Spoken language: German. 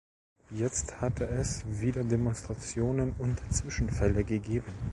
Jetzt hatte es wieder Demonstrationen und Zwischenfälle gegeben.